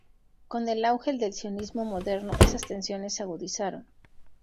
Con el auge del sionismo moderno, esas tensiones se agudizaron.